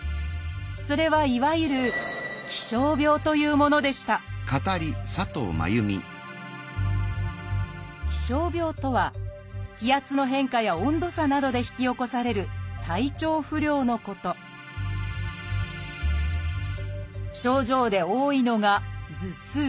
それはいわゆる気象病というものでした「気象病」とは気圧の変化や温度差などで引き起こされる体調不良のこと症状で多いのが頭痛。